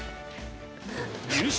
優勝